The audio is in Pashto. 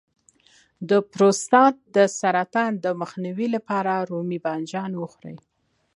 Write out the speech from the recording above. د پروستات د سرطان مخنیوي لپاره رومي بانجان وخورئ